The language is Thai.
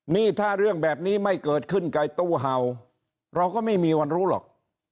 นี่ถ้าเรื่องแบบนี้ไม่เกิดขึ้นกับตู้เห่าเราก็ไม่มีวันรู้หรอก